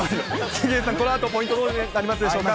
杉江さん、このあとポイントどうなりますでしょうか。